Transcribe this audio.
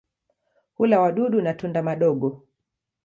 Hula wadudu na tunda madogo.